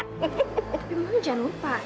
tapi maudie jangan lupa